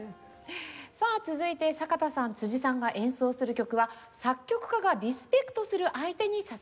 さあ続いて阪田さん辻さんが演奏する曲は作曲家がリスペクトする相手に捧げた曲です。